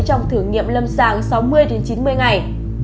trong thử nghiệm lâm sàng sáu mươi chín mươi ngày